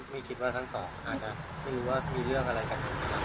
ไม่คิดว่าทั้งสองอาจจะไม่รู้ว่ามีเรื่องอะไรขัดแย้งกันนะครับ